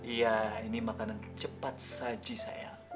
iya ini makanan cepat saji saya